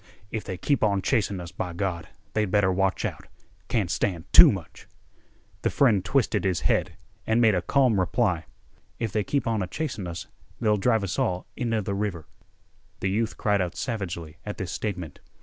"If they keep on chasing us, by Gawd, they'd better watch out. Can't stand too much." The friend twisted his head and made a calm reply. "If they keep on a chasin' us they'll drive us all inteh th' river." The youth cried out savagely at this statement.